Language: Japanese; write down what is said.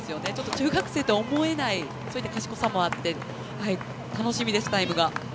中学生とは思えない賢さもあって楽しみです、タイムが。